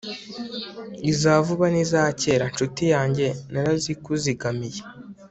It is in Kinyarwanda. iza vuba n'iza kera; ncuti yanjye, narazikuzigamiye